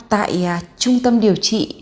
tại trung tâm điều trị